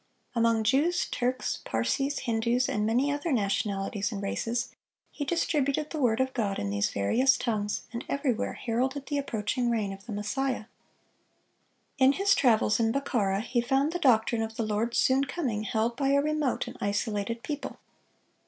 Among Jews, Turks, Parsees, Hindoos, and many other nationalities and races, he distributed the word of God in these various tongues, and everywhere heralded the approaching reign of the Messiah. In his travels in Bokhara he found the doctrine of the Lord's soon coming held by a remote and isolated people.